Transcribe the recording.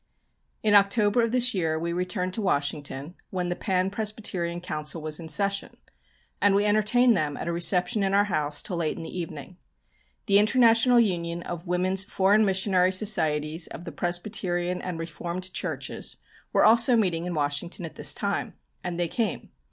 In October of this year we returned to Washington, when the Pan Presbyterian Council was in session, and we entertained them at a reception in our house till late in the evening. The International Union of Women's Foreign Missionary Societies of the Presbyterian and Reformed Churches were also meeting in Washington at this time, and they came.